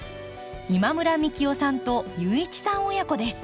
今村幹雄さんと雄一さん親子です。